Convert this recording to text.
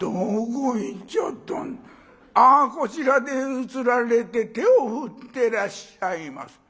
あこちらで移られて手を振ってらっしゃいます。